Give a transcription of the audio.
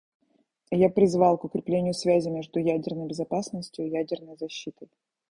И я призвал к укреплению связи между ядерной безопасностью и ядерной защитой.